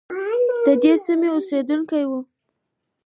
ددې سیمې اوسیدونکی وو.